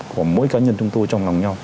của mỗi cá nhân chúng tôi trong lòng nhau